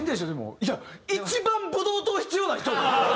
いや一番ブドウ糖必要な人よ。